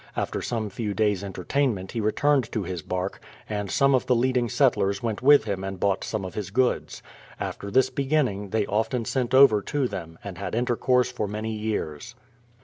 After some few days' entertainment he returned to his bark, and some of the leading settlers went with him and bought some of his goods. After this beginning they often sent over to them, and had intercourse for many years.